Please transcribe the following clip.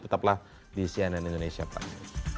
tetaplah di cnn indonesia praksis